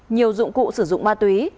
nhiều dụng cụ sử dụng ma túy